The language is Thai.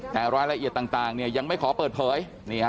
แต่รายละเอียดต่างยังไม่ขอเปิดเผย